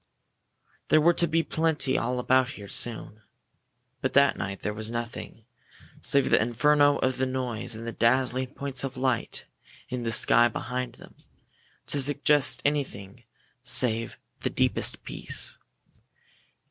There were to be plenty all about here soon. But that night there was nothing, save the inferno of noise and the dazzling points of light in the sky behind them, to suggest anything save the deepest peace.